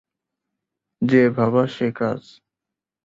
যে ভাবা সে কাজ।